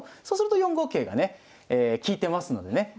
そうすると４五桂がね利いてますのでね。